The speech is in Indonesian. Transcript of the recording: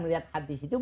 melihat hadis itu